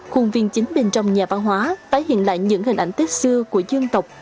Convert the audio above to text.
khuôn viên chính bên trong nhà văn hóa tái hiện lại những hình ảnh tết xưa của dân tộc